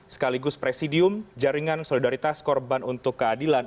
sekaligus presidium jaringan solidaritas korban untuk keadilan